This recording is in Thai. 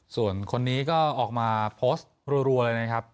ส่วนคนนี้ก็ออกมาโพสต์รัวเลยนะครับ